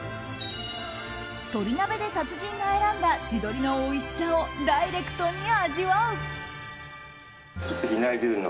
鳥鍋で達人が選んだ地鶏のおいしさをダイレクトに味わう。